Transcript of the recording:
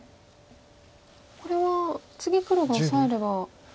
これは次黒がオサえれば。